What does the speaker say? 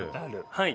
はい。